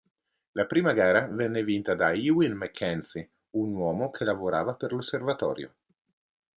La prima gara venne vinta da Ewen MacKenzie, un uomo che lavorava per l'osservatorio.